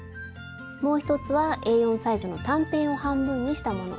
もう一つはＡ４サイズの短辺を半分にしたもの。